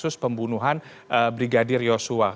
kasus pembunuhan brigadir yosua